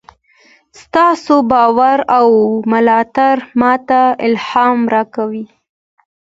ستاسو باور او ملاتړ ماته الهام راکوي.